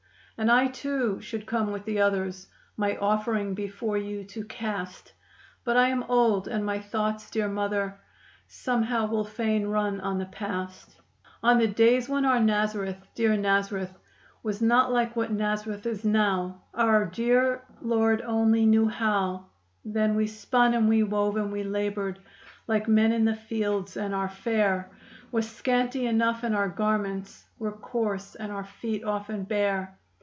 And, I too, should come with the others, My offering before you to cast; But I am old, and my thoughts, dear mother, Somehow will fain run on the past. On the days when our Naz'reth, dear Naz'reth, Was not like what Naz'reth is now; Our dear Lord only knew how. Then we spun, and we wove, and we labored Like men in the fields, and our fare Was scanty enough, and our garments Were coarse, and our feet often bare.